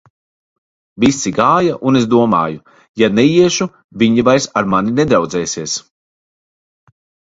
Visi gāja, un es domāju: ja neiešu, viņi vairs ar mani nedraudzēsies.